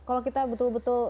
kalau kita betul betul